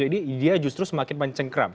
jadi dia justru semakin menjengkeram